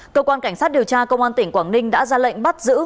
cơ quan cảnh sát điều tra công an tỉnh quảng ninh đã ra lệnh bắt giữ